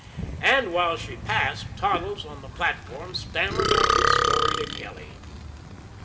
And while she passed, Toddles, on the platform, stammered out his story to Kelly.